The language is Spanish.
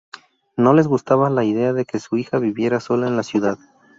No les gustaba la idea de que su hija viviera sola en la ciudad.